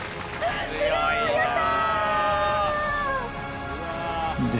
すごいやった！